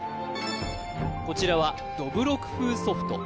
こちらはどぶろく風ソフト